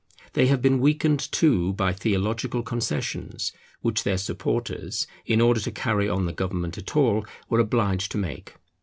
They have been weakened, too, by theological concessions which their supporters, in order to carry on the government at all, were obliged to make.